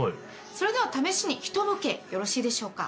それでは試しにひとボケよろしいでしょうか？